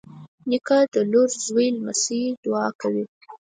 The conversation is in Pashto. نیکه د لور، زوی، لمسيو دعا کوي.